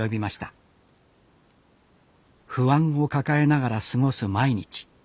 不安を抱えながら過ごす毎日。